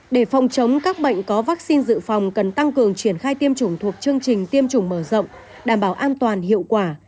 để phòng chống các bệnh có vaccine dự phòng cần tăng cường triển khai tiêm chủng thuộc chương trình tiêm chủng mở rộng đảm bảo an toàn hiệu quả